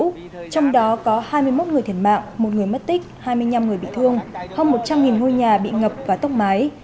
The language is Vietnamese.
trong đó có hai mươi một người thiệt mạng một người mất tích hai mươi năm người bị thương hơn một trăm linh ngôi nhà bị ngập và tốc mái